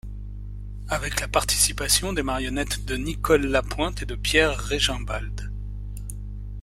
Avec la participation des marionnettes de Nicole Lapointe et de Pierre Régimbald.